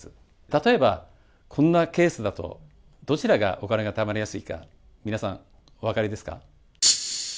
例えば、こんなケースだと、どちらがお金がたまりやすいか、皆さん、お分かりですか？